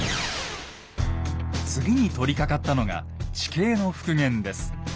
次に取りかかったのが地形の復元です。